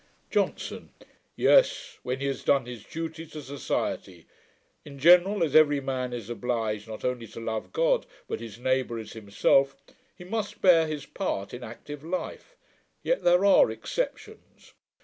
JOHNSON. 'Yes, when he has done his duty to society. In general, as every man is obliged not only to "love God, but his neighbour as himself", he must bear his part in active life; yet there are exceptions.